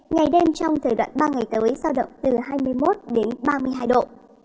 ngày đêm trong thời đoạn ba ngày tới sao động từ hai mươi một ba mươi hai độ